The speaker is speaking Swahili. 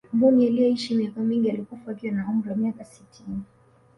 mbuni aliyeishi miaka mingi alikufa akiwa na umri wa miaka sitini